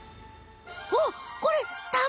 おっこれ卵？